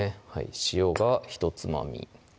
塩がひとつまみ